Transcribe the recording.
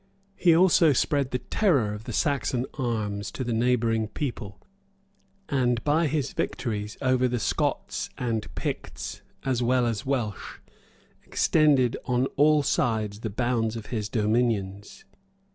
He also spread the terror of the Saxon arms to the neighboring people; and by his victories over the Scots and Picts, as well as Welsh, extended on all sides the bounds of his dominions.